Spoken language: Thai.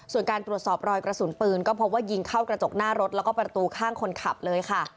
ส่วนการตรวจสอบรอยกระสุนปืนก็พบว่ายิงเข้ากระจกหน้ารถแล้วก็ประตูข้างคนขับเลยค่ะ